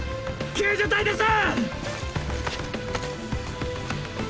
救助隊です！